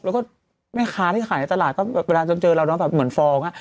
แล้วก็ขาที่ขายในตลาดก็แบบเวลาเจอเราเหมือนฟอง